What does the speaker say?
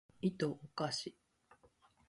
いとをかし